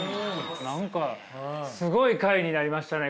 何かすごい回になりましたね